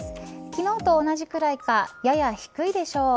昨日と同じくらいかやや低いでしょう。